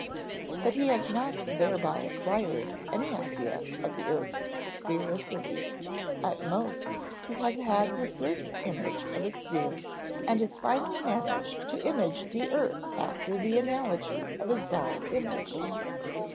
But he has not thereby acquired any idea of the earth's sphericity; at most, he has had a certain image of a sphere and has finally managed to image the earth after the analogy of his ball image.